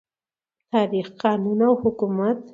تاریخ، قانون او حکومت